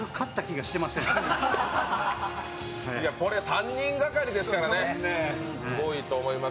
３人がかりですからね、すごいと思います。